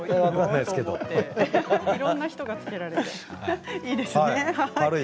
いろんな人がつけられていいですね。